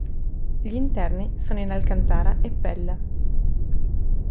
Gli interni sono in alcantara e pelle.